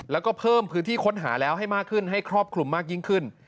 แล้วก็เพิ่มพื้นที่ค้นหาแล้วให้มากขึ้นให้ครอบคลุมมากยิ่งขึ้น